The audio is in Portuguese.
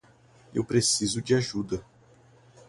Eu preciso de ajuda.